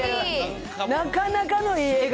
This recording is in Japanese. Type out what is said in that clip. なかなかのいい笑顔。